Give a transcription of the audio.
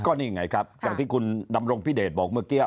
ก็นี่ไงครับอย่างที่คุณดำรงพิเดชบอกเมื่อกี้